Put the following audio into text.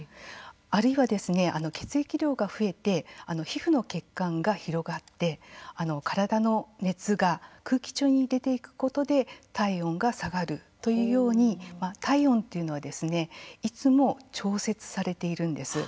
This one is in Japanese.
あるいはですね、血液量が増えて皮膚の血管が広がって体の熱が空気中に出ていくことで体温が下がるというように体温というのはいつも調節されているんです。